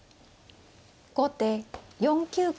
後手４九角。